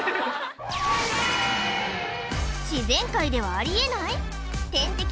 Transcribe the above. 自然界ではありえない？